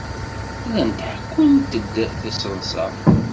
Llant ḥekkunt-d tiseḍsa.